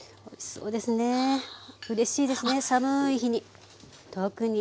うれしいですね寒い日に特に。